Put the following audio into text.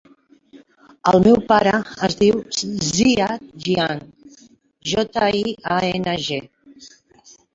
El meu pare es diu Ziad Jiang: jota, i, a, ena, ge.